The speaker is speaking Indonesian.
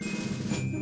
dia udah berangkat